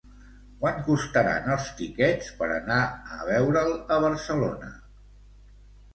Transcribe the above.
Quant costaran els tiquets per anar a veure'l a Barcelona?